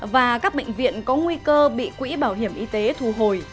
và các bệnh viện có nguy cơ bị quỹ bảo hiểm y tế thu hồi